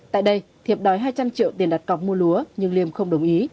tại đây thiệp đòi hai trăm linh triệu tiền đặt cọc mua lúa nhưng liêm không đồng ý